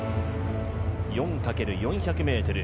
４×４００ｍ。